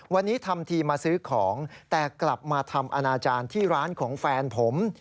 วันนี้ทำทีมาซื้อของแต่กลับมาทำอนาจารย์ที่ร้านของแฟนผม